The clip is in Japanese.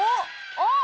あっ！